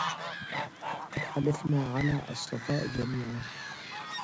قد حلفنا على الصفاء جميعا